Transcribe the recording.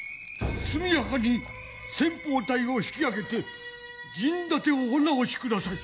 速やかに先ぽう隊を引き揚げて陣立てをお直しください。